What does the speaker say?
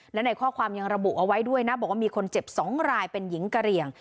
และในข้อความยังระบุเอาไว้ด้วยนะบอกว่ามีคนเจ็บ๒รายเป็นหญิงกะเหลี่ยง